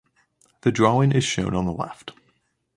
The drawing is shown on the left.